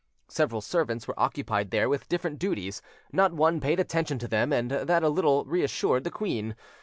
Several servants were occupied there with different duties; not one paid attention to them, and that a little reassured the queen.